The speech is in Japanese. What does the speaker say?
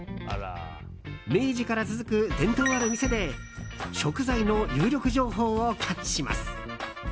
明治から続く伝統ある店で食材の有力情報をキャッチします。